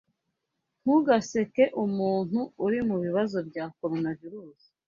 Ntugaseke umuntu uri mubibazo bya Coronavirus